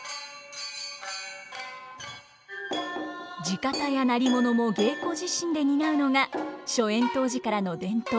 地方や鳴り物も芸妓自身で担うのが初演当時からの伝統。